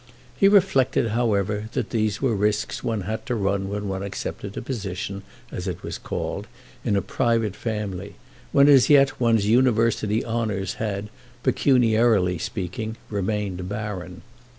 He reflected, however, that these were risks one had to run when one accepted a position, as it was called, in a private family; when as yet one's university honours had, pecuniarily speaking, remained barren.